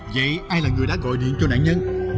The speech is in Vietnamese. vậy ai là người đã gọi điện cho nạn nhân